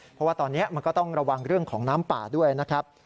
เพราะว่าตอนนี้มันก็ต้องระวังเรื่องของน้ำป่าด้วยนะครับ